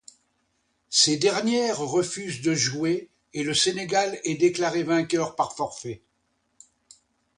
Ces dernières refusent de jouer et le Sénégal est déclaré vainqueur par forfait.